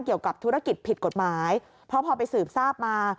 เกี่ยวกับธุรกิจผิดกฎหมายเพราะพอไปสืบทราบมา